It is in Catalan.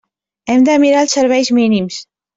Hem de mirar els serveis mínims.